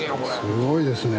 ・すごいですね。